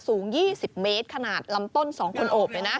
สูง๒๐เมตรขนาดลำต้น๒คนอบ